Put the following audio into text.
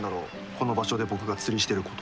この場所で僕が釣りしてること。